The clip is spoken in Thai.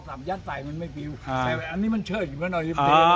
สับยัดใส่มันไม่ปริ้วอ่าแต่ว่าอันนี้มันเชิดอยู่กันหน่อยอ๋อ